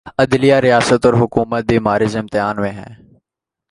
عدلیہ، ریاست اور حکومت بھی معرض امتحان میں ہیں۔